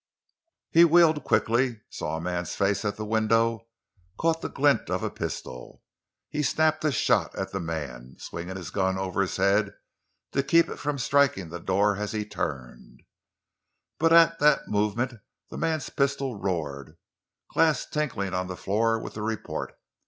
He wheeled quickly, saw a man's face at the window, caught the glint of a pistol. He snapped a shot at the man, swinging his gun over his head to keep it from striking the door as he turned. But at the movement the man's pistol roared, glass tinkling on the floor with the report.